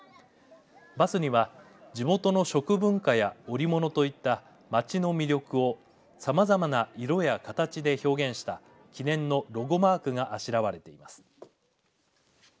バスには地元の食文化や織物といったまちの魅力をさまざまな色や形で表現した記念のロゴマークがあしらわれています。